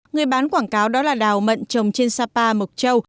người bán quảng cáo đó là đào mận trồng trên sapa mộc châu